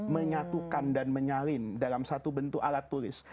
menyatukan dan menyalin dalam satu bentuk alat tulis